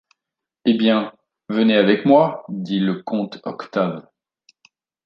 Eh bien ! venez avec moi, dit le comte Octave.